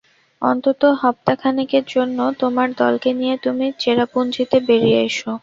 অন্তত হপ্তাখানেকের জন্যে তোমার দলকে নিয়ে তুমি চেরাপুঞ্জিতে বেরিয়ে এসো।